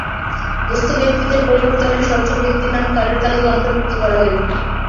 দুস্থ ব্যক্তিদের পরিবর্তে অনেক সচ্ছল ব্যক্তির নাম কার্ডের তালিকায় অন্তর্ভুক্ত করা হয়েছে।